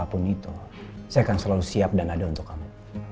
apapun itu saya akan selalu siap dan ada untuk kamu